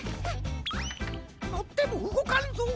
のってもうごかんぞ。